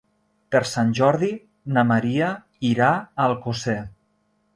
Per Sant Jordi na Maria irà a Alcosser.